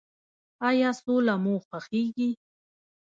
ایا سوله مو خوښیږي؟